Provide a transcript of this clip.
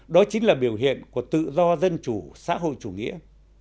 đó chính là biểu hiện của tự do dân chủ xã hội chủ nghĩa